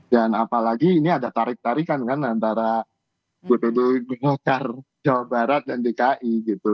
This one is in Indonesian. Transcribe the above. dan apalagi ini ada tarik tarikan kan antara gubernur jawa barat dan dki gitu